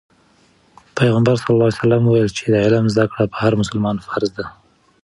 پیغمبر وویل چې د علم زده کړه په هر مسلمان فرض ده.